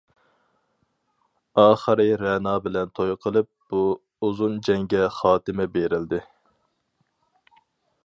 ئاخىرى رەنا بىلەن توي قىلىپ بۇ ئۇزۇن جەڭگە خاتىمە بېرىلدى.